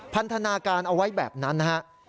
พันธนาการเอาไว้แบบนั้นนะฮะ